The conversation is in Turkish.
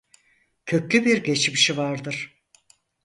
Köklü bir geçmişi vardır.